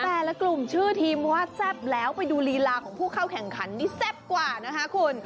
แต่ละกลุ่มชื่อทีมว่าแซ่บแล้วไปดูลีลาของผู้เข้าแข่งขันนี่แซ่บกว่านะคะคุณ